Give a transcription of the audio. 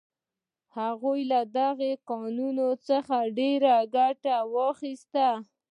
هغوی له دې کاڼو څخه ډیره ګټه واخیسته.